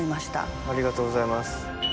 ありがとうございます。